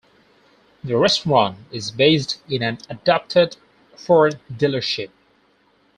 The restaurant is based in an adapted Ford dealership.